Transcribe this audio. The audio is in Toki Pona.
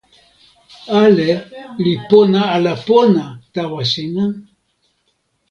ale li pona ala pona tawa sina?